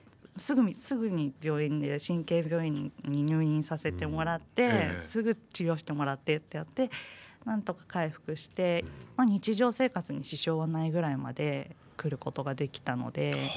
すぐに病院神経病院に入院させてもらってすぐ治療してもらってってやってなんとか回復して日常生活に支障はないぐらいまで来ることができたので。